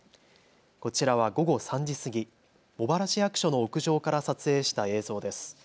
こちらは午後３時過ぎ茂原市役所の屋上から撮影した映像です。